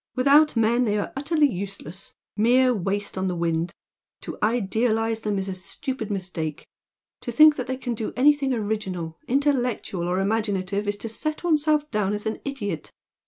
Without men they are utterly useless, mere waste on the wind! To idealise them is a stupid mistake. To think that they can do anything original, intellectual or imaginative is to set one's self down an idiot.